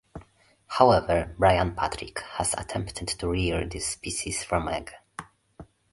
However Brian Patrick has attempted to rear this species from egg.